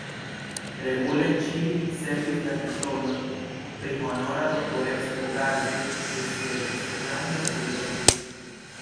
Regule ŝi ricevis la titolon pri honora doktoreco okaze de siaj eksterlandaj vojaĝoj.